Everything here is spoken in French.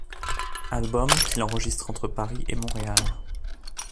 Album qu'il enregistre entre Paris et Montréal.